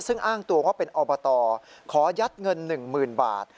ซึ่งอ้างตัวว่าเป็นอบตขอยัดเงิน๑๐๐๐บาท